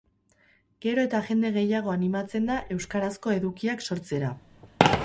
Gero eta jende gehiago animatzen da euskarazko edukiak sortzera